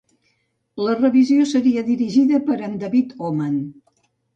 La revisió seria dirigida per en David Omand.